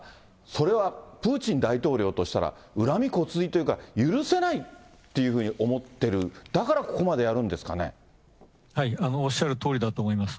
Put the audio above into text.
それはプーチン大統領としたら、恨みこつずいというか、許せないというふうに思ってる、おっしゃるとおりだと思います。